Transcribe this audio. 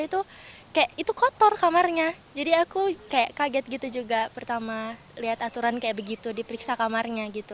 itu kayak itu kotor kamarnya jadi aku kayak kaget gitu juga pertama lihat aturan kayak begitu diperiksa kamarnya gitu